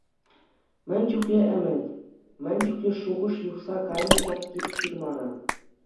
Мӗн чухлӗ ӗмӗт, мӗн чухлӗ шухӑш юхса кайнӑ ҫак тип ҫырмара.